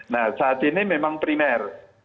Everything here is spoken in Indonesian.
nah saat ini memang primer